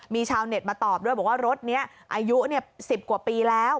มีชาวเน็ตมาตอบด้วยบอกว่ารถนี้อายุ๑๐กว่าปีแล้ว